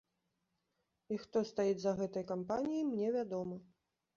І хто стаіць за гэтай кампаніяй, мне вядома.